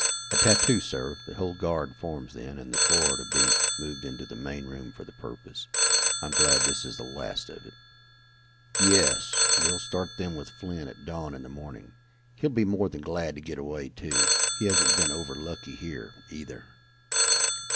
"At tattoo, sir. The whole guard forms then, and the four are to be moved into the main room for the purpose. I am glad this is the last of it." "Yes, we'll start them with Flint at dawn in the morning. He'll be more than glad to get away, too. He hasn't been over lucky here, either."